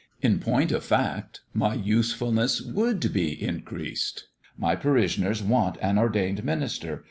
In point of fact, my usefulness would be increased. My parishioners want an ordained minister.